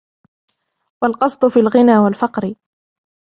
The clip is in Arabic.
وَالْقَصْدُ فِي الْغِنَى وَالْفَقْرِ